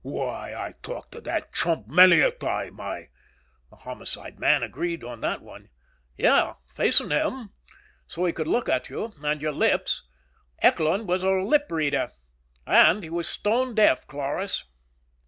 "Why, I talked to that chump many a time! I " The Homicide man agreed on that one. "Yeah, facing him. So he could look at you and your lips. Eckland was a lip reader. And he was stone deaf, Cloras."